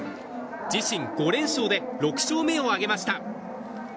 自身５連勝で６勝目を挙げました。